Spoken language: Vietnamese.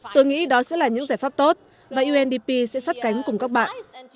tôi nghĩ đó sẽ là những giải pháp tốt và undp sẽ sát cánh cùng các bạn